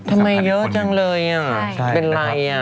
ทำไมเยอะจังเลยอ่ะเป็นไรอ่ะ